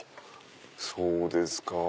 そうですか。